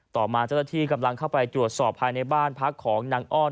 ต่อมาเจ้าหน้าที่กำลังเข้าไปตรวจสอบภายในบ้านพักของนางอ้อน